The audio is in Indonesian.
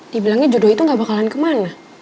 dibilangnya jodoh itu gak bakalan kemana